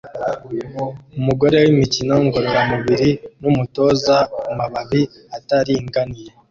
Umugore wimikino ngororamubiri numutoza kumabari ataringaniye